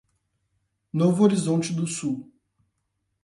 Novo Horizonte do Sul